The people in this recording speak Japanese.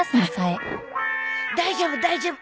大丈夫大丈夫。